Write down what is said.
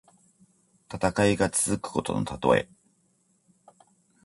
戦いが続くことのたとえ。